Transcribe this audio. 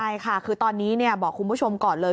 ใช่ค่ะคือตอนนี้บอกคุณผู้ชมก่อนเลย